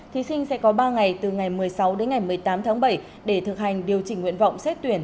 thí sinh sẽ có ba ngày từ ngày một mươi sáu đến ngày một mươi tám tháng bảy để thực hành điều chỉnh nguyện vọng xét tuyển